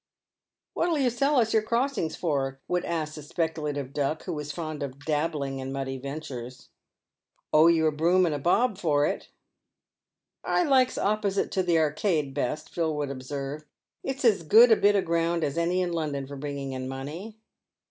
" What'll you sell us your crossing for ?" would ask the speculative Duck, who was fond of " dabbling" in muddy ventures. " Owe you a bob and a broom for it." " I likes opposite to the Arcade best," Phil would observe, "it's as good a bit o' ground as any in London for bringing in money."